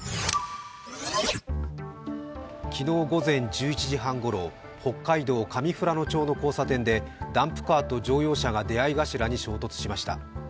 昨日午前１１時半ごろ、北海道上富良野町の交差点でダンプカーと乗用車が出会いに衝突しました。